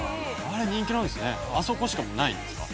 あれ人気なんですね。